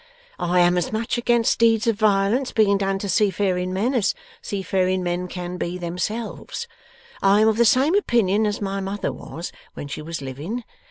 I am as much against deeds of violence being done to seafaring men, as seafaring men can be themselves. I am of the same opinion as my mother was, when she was living.